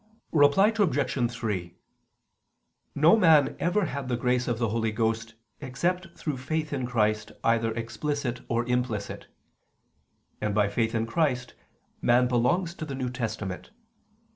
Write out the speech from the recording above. Reply Obj. 3: No man ever had the grace of the Holy Ghost except through faith in Christ either explicit or implicit: and by faith in Christ man belongs to the New Testament.